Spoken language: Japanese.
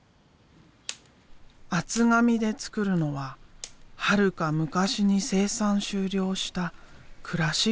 厚紙で作るのははるか昔に生産終了したクラシックカー。